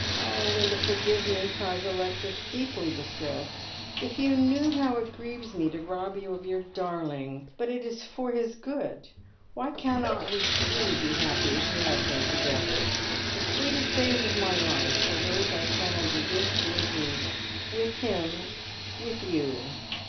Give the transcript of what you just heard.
" Linda, forgive me," cries Alexis, deeply distressed. " If you knew how it grieves me to rob you of your darling ! But it ia for his good. Why cannot we three be happy as we have b een together ? The sweetest days of my life were those I spent under this dear roof — with him — with you.